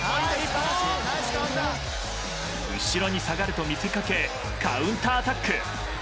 後ろに下がると見せかけカウンターアタック。